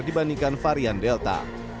dibandingkan varian delta